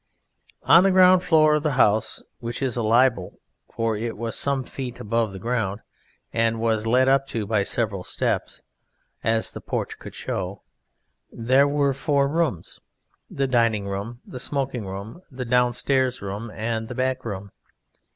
On the ground floor of the House (which is a libel, for it was some feet above the ground, and was led up to by several steps, as the porch could show) there were four rooms the Dining room, the Smoking room, the Downstairs room and the Back room.